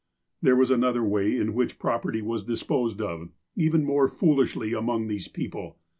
There was another way in which property was disposed of, even more foolishly, among these people.